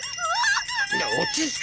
落ち着け！